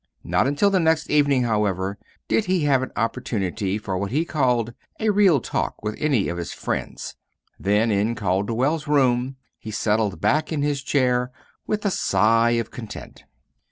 Not until the next evening, however, did he have an opportunity for what he called a real talk with any of his friends; then, in Calderwell's room, he settled back in his chair with a sigh of content.